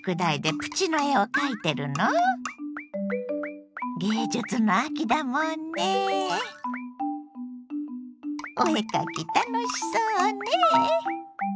お絵描き楽しそうねえ！